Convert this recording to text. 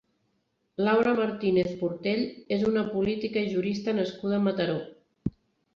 Laura Martínez Portell és una política i jurista nascuda a Mataró.